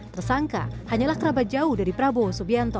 tersangka hanyalah kerabat jauh dari prabowo subianto